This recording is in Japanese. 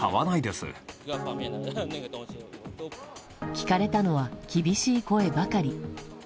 聞かれたのは厳しい声ばかり。